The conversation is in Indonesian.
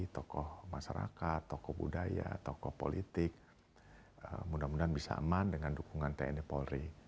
tokoh masyarakat tokoh budaya tokoh politik mudah mudahan bisa aman dengan dukungan tni polri